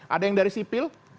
ada yang dari sipil